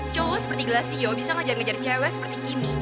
cowok seperti gelasio bisa ngajar ngajar cewek seperti kimi